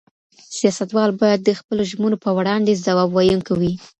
سياستوال بايد د خپلو ژمنو په وړاندي ځواب ويونکي وي.